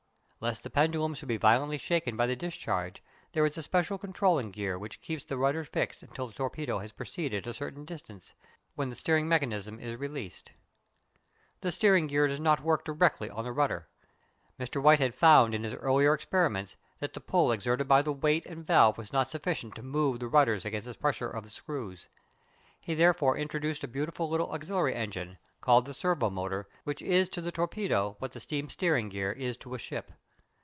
Lest the pendulum should be violently shaken by the discharge there is a special controlling gear which keeps the rudders fixed until the torpedo has proceeded a certain distance, when the steering mechanism is released. The steering gear does not work directly on the rudder. Mr. Whitehead found in his earlier experiments that the pull exerted by the weight and valve was not sufficient to move the rudders against the pressure of the screws. He therefore introduced a beautiful little auxiliary engine, called the servo motor, which is to the torpedo what the steam steering gear is to a ship.